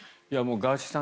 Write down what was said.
ガーシーさん